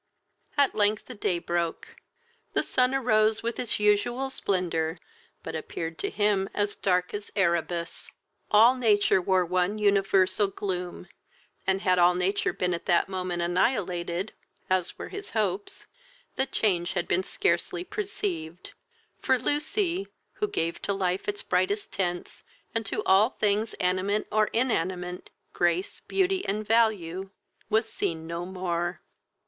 At length the day broke. The sun arose with its usual splendor, but appeared to him dark as Erebus. All nature wore one universal gloom, and had all nature been at that moment annihilated, (as were his hopes,) the change had been scarcely perceived; for Lucy, who gave to life its brightest tints, and to all things animate or inanimate, grace, beauty, and value, was seen no more!